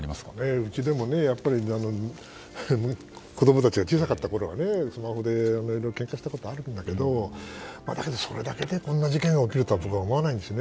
うちでもやっぱり子供たちが小さかったころはスマホでいろいろけんかしたことがあるんだけどそれだけでこんな事件が起きるとは思わないんですよね。